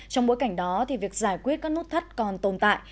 trong bối cảnh đó việc giải quyết các nút thắt còn tồn tại